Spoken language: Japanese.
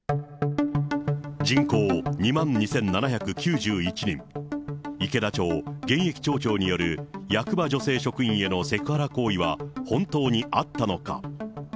人口２万２７９１人、池田町現役町長による役場女性職員へのセクハラ行為は本当にあったのか。